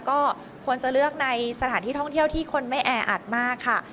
ก็ควรจะเลือกในสถานที่ท่องเที่ยวที่คนไม่แออัดมากค่ะ